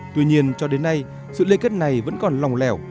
tuy nhiên cho đến nay sự liên kết này vẫn còn lòng lẻo